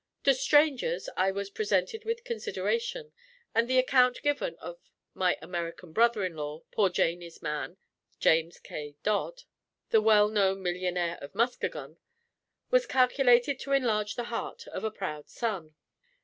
To strangers I was presented with consideration; and the account given of "my American brother in law, poor Janie's man, James K. Dodd, the well known millionnaire of Muskegon," was calculated to enlarge the heart of a proud son.